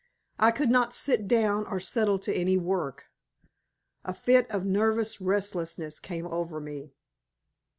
I could not sit down or settle to any work. A fit of nervous restlessness came over me.